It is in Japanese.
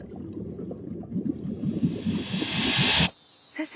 先生？